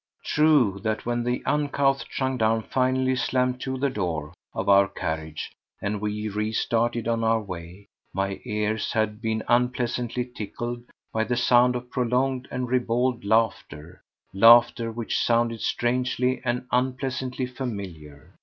True, that when the uncouth gendarme finally slammed to the door of our carriage and we restarted on our way, my ears had been unpleasantly tickled by the sound of prolonged and ribald laughter—laughter which sounded strangely and unpleasantly familiar.